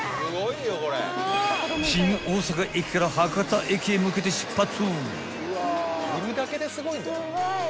［新大阪駅から博多駅へ向けて出発］